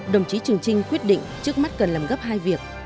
đồng chí trường trinh quyết định trước mắt cần làm gấp hai việc